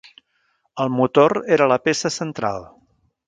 El motor era la peça central.